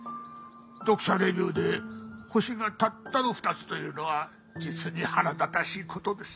読者レビューで星がたったの２つというのは実に腹立たしい事です。